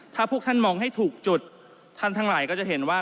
ถ้าพวกท่านมองให้ถูกจุดท่านทั้งหลายก็จะเห็นว่า